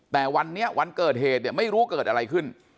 แต่วันนี้วันเกิดเหตุเนี่ยไม่รู้เกิดอะไรขึ้น